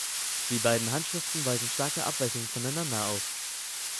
Die beiden Handschriften weisen starke Abweichungen voneinander auf.